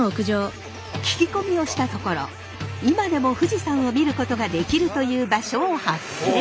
聞き込みをしたところ今でも富士山を見ることができるという場所を発見！